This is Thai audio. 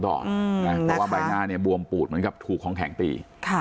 เพราะว่าใบหน้าเนี่ยบวมปูดเหมือนกับถูกของแข็งตี